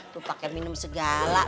tuh pake minum segala